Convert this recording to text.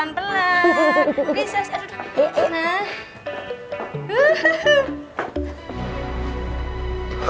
kenapa gak diangkat ya